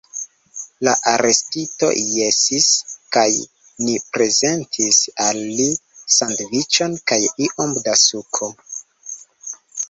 La arestito jesis, kaj ni prezentis al li sandviĉon kaj iom da suko.